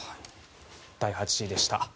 第８位でした。